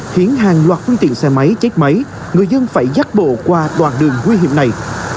khiến hàng loạt phương tiện xe máy chết máy người dân phải dắt bộ qua đoạn đường nguy hiểm này